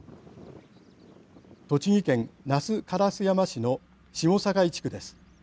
栃木県那須烏山市の下境地区です。